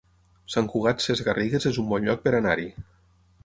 Sant Cugat Sesgarrigues es un bon lloc per anar-hi